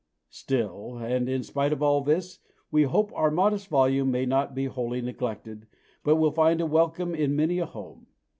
Still, and in spite of all this, we hope our modest volume may not be wholly neglected, but will find a welcome in many a home.